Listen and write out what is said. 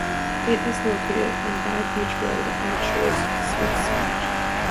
It is located on Back Beach Road, on the shores of Smiths Beach.